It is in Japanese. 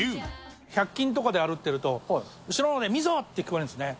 百均とかで歩いていると、後ろのほうで、みぞって聞こえるんですね。